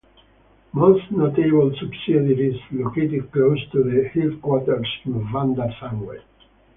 Most notable subsidiaries located close to the headquarters in Bandar Sunway.